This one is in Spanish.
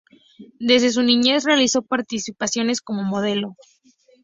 Desde su niñez realizó participaciones como modelo.